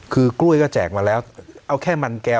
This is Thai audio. คือกล้วยก็แจกมาแล้วเอาแค่มันแก้ว